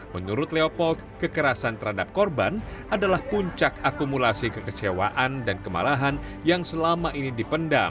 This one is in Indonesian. menurut leopold kekerasan terhadap korban adalah puncak akumulasi kekecewaan dan kemarahan yang selama ini dipendam